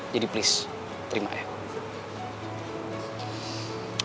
jadi please terima ya